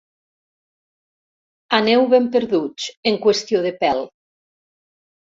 Aneu ben perduts, en qüestió de pèl.